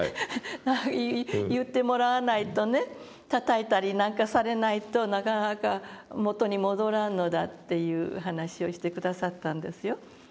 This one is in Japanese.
「言ってもらわないとねたたいたりなんかされないとなかなか元に戻らんのだ」という話をして下さったんですよ。